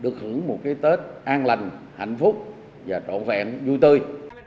cái tết an lành hạnh phúc và trộn vẹn vui tươi